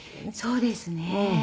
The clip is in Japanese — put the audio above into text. そうですね。